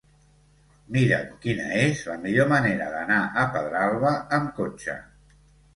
Mira'm quina és la millor manera d'anar a Pedralba amb cotxe.